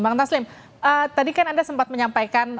bang taslim tadi kan anda sempat menyampaikan